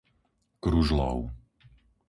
Kružlov